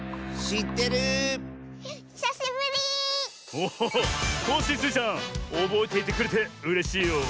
おおっコッシースイちゃんおぼえていてくれてうれしいよ。